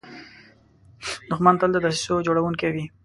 دښمن تل د دسیسو جوړونکی وي